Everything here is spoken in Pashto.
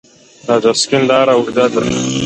د ادرسکن لاره اوږده ده